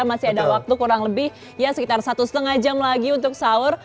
masih ada waktu kurang lebih ya sekitar satu lima jam lagi untuk sahur